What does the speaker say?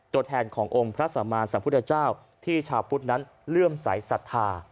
ตัวแทนขององค์พระสัมมาสัมพุทธเจ้าที่ชาวพุทธนั้นเลื่อมใสสัทธา